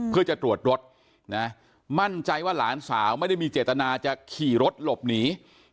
เพื่อจะตรวจรถนะมั่นใจว่าหลานสาวไม่ได้มีเจตนาจะขี่รถหลบหนี